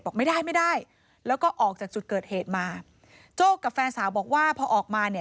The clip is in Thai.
บอกไม่ได้ไม่ได้แล้วก็ออกจากจุดเกิดเหตุมาโจ้กับแฟนสาวบอกว่าพอออกมาเนี่ย